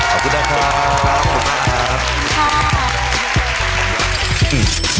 ขอบคุณนะครับ